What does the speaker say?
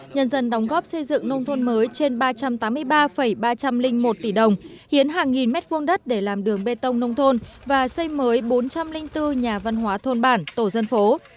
nhân dân đóng góp xây dựng nông thôn mới trên ba trăm tám mươi ba ba trăm linh một tỷ đồng hiến hàng nghìn mét vuông đất để làm đường bê tông nông thôn và xây mới bốn trăm linh bốn nhà văn hóa thôn bản tổ dân phố